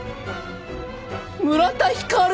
村田光？